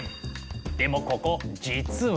でもここ実は。